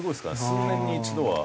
数年に１度は。